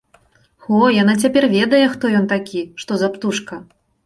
О, яна цяпер ведае, хто ён такі, што за птушка!